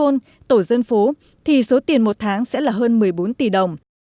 số tiền một tháng sẽ là hơn một mươi bốn tỷ đồng